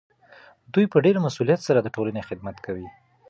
دوی په ډیر مسؤلیت سره د ټولنې خدمت کوي.